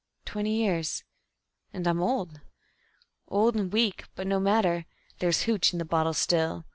twenty years and I'm old. "Old and weak, but no matter, there's `hooch' in the bottle still.